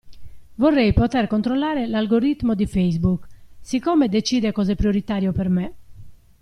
Vorrei poter controllare l'algoritmo di facebook, siccome decide cosa è prioritario per me.